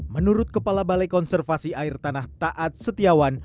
menurut kepala balai konservasi air tanah taat setiawan